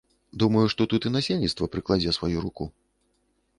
Думаю, што тут і насельніцтва прыкладзе сваю руку.